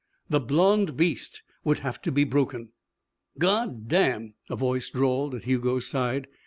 The blond beast would have to be broken. "God damn," a voice drawled at Hugo's side.